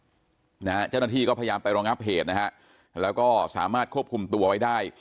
เจ้าหน้าที่ก็พยายามไปรองับเหตุนะฮะแล้วก็สามารถควบคุมตัวไว้ได้